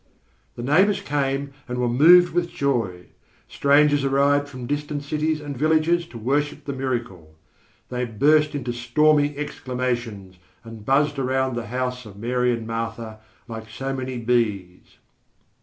The neighbours came and were moved with joy. Strangers arrived from distant cities and villages to worship the miracle. They burst into stormy exclamations, and buzzed around the house of Mary and Martha, like so many bees.